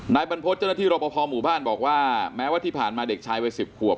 นายบรรพจนที่รปภหมู่บ้านบอกว่าแม้ว่าที่ผ่านมาเด็กชายวัย๑๐ขวบ